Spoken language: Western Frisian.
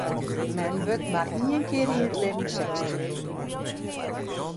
Men wurdt mar ien kear yn it libben sechstjin.